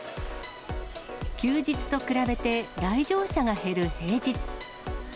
休日と比べて来場者が減る平日。